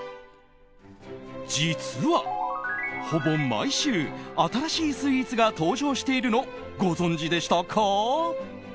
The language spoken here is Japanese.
実は、ほぼ毎週新しいスイーツが登場しているのご存じでしたか？